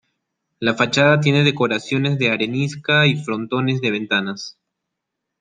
La fachada tiene decoraciones de arenisca y frontones de ventanas.